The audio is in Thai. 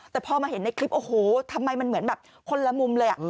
แต่พอมาเห็นในคลิปโอ้โหทำไมมันเหมือนแบบคนละมุมเลย